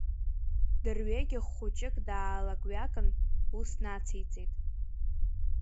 Дырҩегьых хәыҷык даалак-ҩакхын, ус нациҵеит…